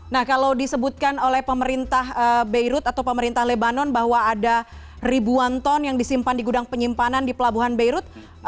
nah kalau disebutkan oleh pemerintah beirut atau pemerintah lebanon bahwa ada ribuan ton yang disimpan di gudang penyimpanan di pelabuhan beirut